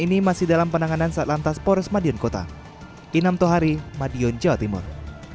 ini masih dalam penanganan saat lantas poros madiun kota inam tohari madiun jawa timur